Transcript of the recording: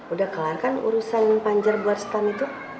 udah kelar kan urusan panjar buat setan itu